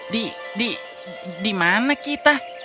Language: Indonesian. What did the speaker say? di di dimana kita